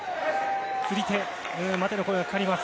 組み手、待ての声がかかります。